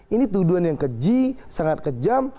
ini tuduhan yang keji sangat kejam